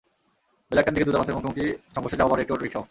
বেলা একটার দিকে দুটো বাসের মুখোমুখি সংঘর্ষে চাপা পড়ে একটি অটোরিকশাও।